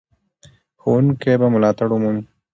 ښوونکي به ملاتړ ومومي.